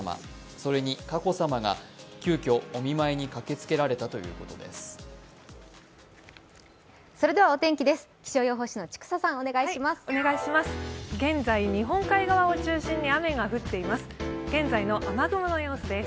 それに佳子さまが急きょお見舞いに駆けつけられたということです。